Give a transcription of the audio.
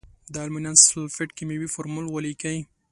د المونیم سلفیټ کیمیاوي فورمول ولیکئ.